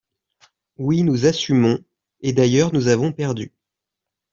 Oui, nous assumons – et d’ailleurs nous avons perdu